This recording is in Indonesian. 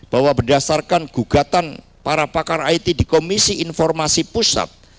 bahwa berdasarkan gugatan para pakar it di komisi informasi pusat